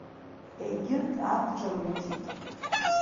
Егьырҭ ақәҿырымҭит.